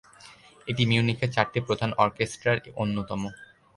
এটি মিউনিখের চারটি প্রধান অর্কেস্ট্রার অন্যতম।